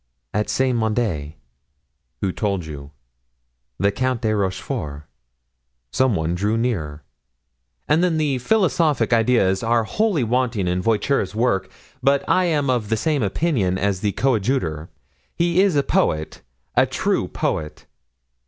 "At Saint Mande." "Who told you?" "The Count de Rochefort." Some one drew near. "And then philosophic ideas are wholly wanting in Voiture's works, but I am of the same opinion as the coadjutor—he is a poet, a true poet."